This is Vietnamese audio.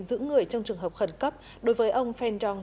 giữ người trong trường hợp khẩn cấp đối với ông feng dong